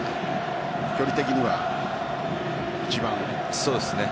距離的には一番？